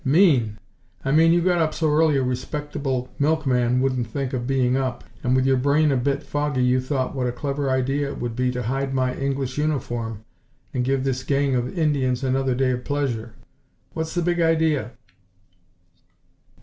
"Mean? I mean you got up so early a respectable milkman wouldn't think of being up, and with your brain a bit foggy you thought what a clever idea it would be to hide my English uniform and give this gang of Indians another day of pleasure. What's the big idea?"